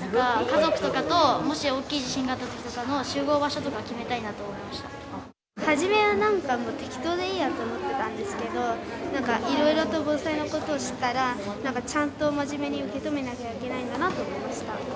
なんか、家族とかと、もし大きい地震があったときとかの集合場所とか決めたいなと思い初めはなんか、適当でいいやと思ってたんですけど、なんかいろいろと防災のことを知ったら、なんかちゃんと真面目に受け止めなきゃいけないかなと思いました。